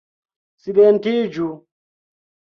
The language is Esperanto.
Silentiĝu!